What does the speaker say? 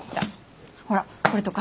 ほらこれとか。